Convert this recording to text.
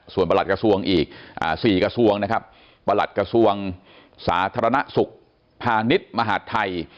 ส่วนประหลัดกระทรวงอีก๔กระทรวงนะครับประหลัดกระทรวงสาธารณสุขพาณิชย์มหาดไทย